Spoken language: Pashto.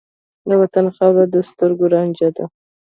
د وطن خاوره د سترګو رانجه ده.